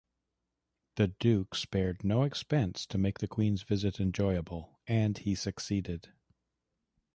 The Duke spared no expense to make the Queen's visit enjoyable, and he succeeded.